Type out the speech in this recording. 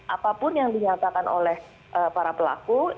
apapun yang dinyatakan oleh para pelaku